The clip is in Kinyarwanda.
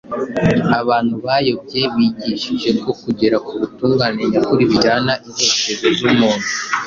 Abantu bayobye bigishije ko kugera ku butungane nyakuri bijyana intekerezo z’umuntu